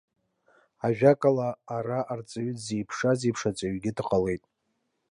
Ажәакала, ара арҵаҩы дзеиԥшраз еиԥш аҵаҩгьы дҟалеит.